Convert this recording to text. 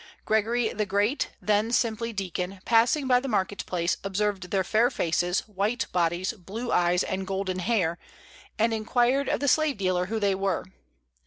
Gregory the Great, then simply deacon, passing by the market place, observed their fair faces, white bodies, blue eyes, and golden hair, and inquired of the slave dealer who they were.